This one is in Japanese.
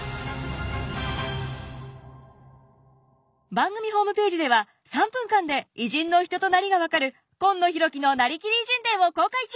番組ホームページでは３分間で偉人の人となりが分かる「今野浩喜のなりきり偉人伝」を公開中！